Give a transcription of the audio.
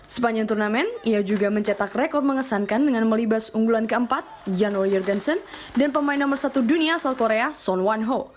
sepanjang turnamen ia juga mencetak rekor mengesankan dengan melibas unggulan keempat yanwar jordanson dan pemain nomor satu dunia asal korea son wanho